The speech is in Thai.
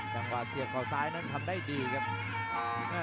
จังหวะเสียบเขาซ้ายนั้นทำได้ดีครับ